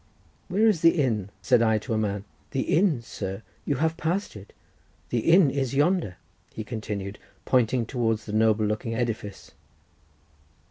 "Where is the inn?" said I to a man. "The inn, sir? you have passed it. The inn is yonder," he continued, pointing towards the noble looking edifice.